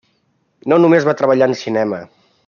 No només va treballar en cinema.